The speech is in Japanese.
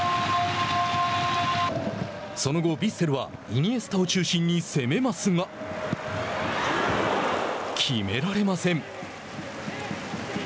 その後、ヴィッセルはイニエスタを中心に攻めますが決められません。